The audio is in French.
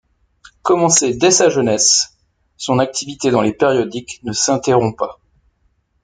Commencée dès sa jeunesse, son activité dans les périodiques ne s'interrompt pas.